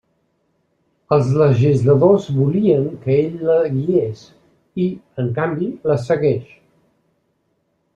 Els legisladors volien que ell la guiés, i, en canvi, la segueix.